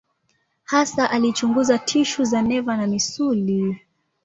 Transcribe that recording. Hasa alichunguza tishu za neva na misuli.